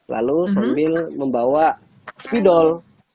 lalu sambil membawa spidol